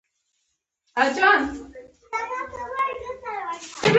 دې وسیلې په شمالي هېوادونو کې پراختیا موندلې.